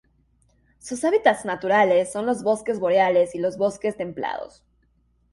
Sus hábitats naturales son los bosques boreales y los bosques templados.